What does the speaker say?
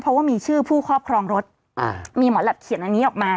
เพราะว่ามีชื่อผู้ครอบครองรถอ่ามีหมอแหลปเขียนอันนี้ออกมา